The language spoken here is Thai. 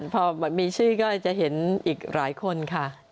พอมีชื่อก็จะเห็นอีกหลายคนค่ะ